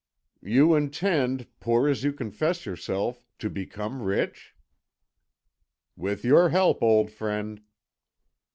"You intend, poor as you confess yourself, to become rich?" "With your help, old friend."